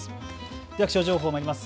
気象情報まいります。